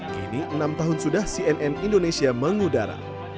kini enam tahun sudah cnn indonesia mengudara